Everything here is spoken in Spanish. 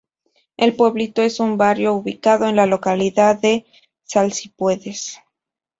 El Pueblito es un barrio ubicado en la localidad de Salsipuedes.